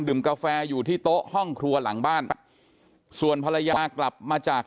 กาแฟอยู่ที่โต๊ะห้องครัวหลังบ้านส่วนภรรยากลับมาจาก